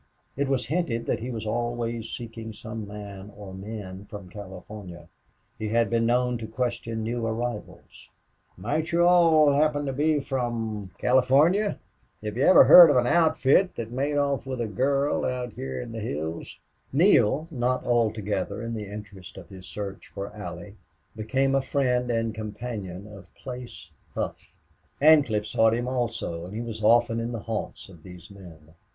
It was hinted that he was always seeking some man or men from California. He had been known to question new arrivals: "Might you all happen to be from California? Have you ever heard of an outfit that made off with a girl out heah in the hills?" Neale, not altogether in the interest of his search for Allie, became a friend and companion of Place Hough. Ancliffe sought him, also, and he was often in the haunts of these men.